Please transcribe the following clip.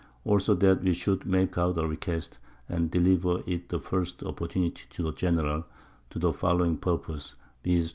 Also that we should make out a Request, and deliver it the first Opportunity to the General, to the following Purpose_, viz.